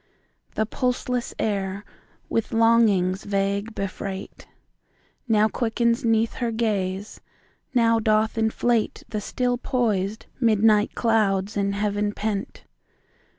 The pulseless air, with longings vague befreight, Now quickens 'neath her gaze, now doth inflateThe still poised midnight clouds in heaven pent.